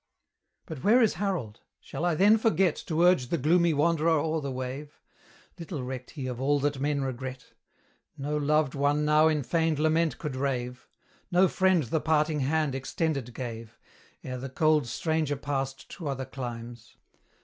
But where is Harold? shall I then forget To urge the gloomy wanderer o'er the wave? Little recked he of all that men regret; No loved one now in feigned lament could rave; No friend the parting hand extended gave, Ere the cold stranger passed to other climes.